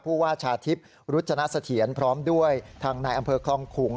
ผู้ว่าชาทิพย์รุจนเสถียรพร้อมด้วยทางนายอำเภอคลองขุง